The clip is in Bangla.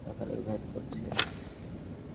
আমার দিকে তাকিয়েছে কিন্তু, না তাকানোর ভান করছে।